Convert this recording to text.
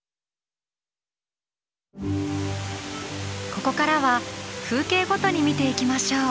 ここからは風景ごとに見ていきましょう。